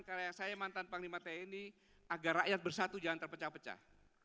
karena saya mantan panglima tni agar rakyat bersatu jangan terpecah pecah